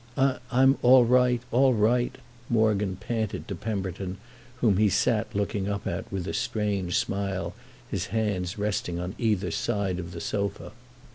"I'm all right—all right," Morgan panted to Pemberton, whom he sat looking up at with a strange smile, his hands resting on either side of the sofa.